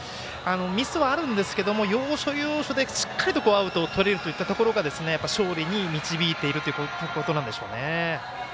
ミスはあるんですけれども要所要所でしっかりアウトをとれるというところが勝利に導いているところなんでしょうね。